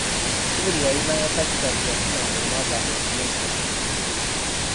Si buli yalinanga kacica nti yafunanga omwagaanya okumuyisa ku mikutu